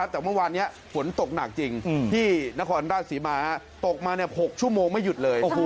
แต่เมื่อวานนี้ฝนตกหนักจริงที่นครราชศรีมาตกมา๖ชั่วโมงไม่หยุดเลย